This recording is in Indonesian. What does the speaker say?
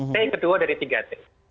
t kedua dari tiga t